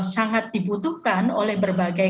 sangat dibutuhkan oleh berbagai